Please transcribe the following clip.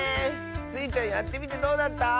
スイちゃんやってみてどうだった？